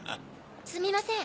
すみません